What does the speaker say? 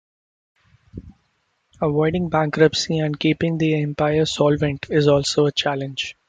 Avoiding bankruptcy and keeping the Empire solvent is also a challenge.